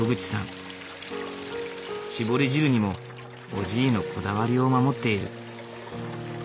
搾り汁にもおじいのこだわりを守っている。